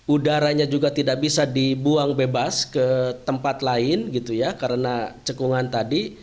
udaranya juga tidak bisa dibuang bebas ke tempat lain gitu ya karena cekungan tadi